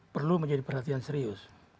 perlu menjadi perhatian serius